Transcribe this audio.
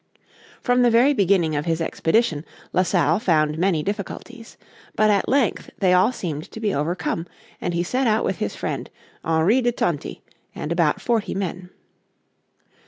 From the very beginning of his expedition La Salle found many difficulties. But at length they all seemed to be overcome, and he set out with his friend, Henri de Tonty, and about forty men.